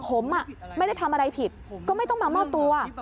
ผมไม่ได้ทำอะไรผิดก็ไม่ต้องมามอบตัว